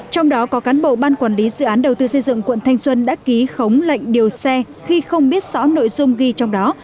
trong đó có cán bộ ban quản lý dự án đầu tư xây dựng quận thanh xuân đã ký khống lệnh điều xe khi không biết rõ nội dung ghi trong đó